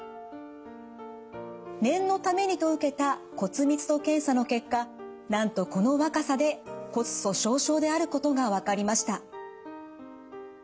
念のためにと受けた骨密度検査の結果なんとこの若さで骨粗しょう症であることが分かりました。